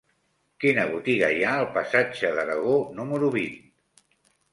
Quina botiga hi ha al passatge d'Aragó número vint?